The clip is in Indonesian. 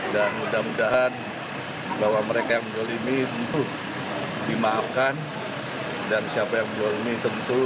dan mudah mudahan bahwa mereka yang menjual mie tentu dimaafkan dan siapa yang menjual mie tentu